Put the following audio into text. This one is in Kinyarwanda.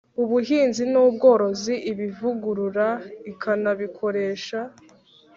ubuhinzi n ubworozi ibivugurura ikanabikoresha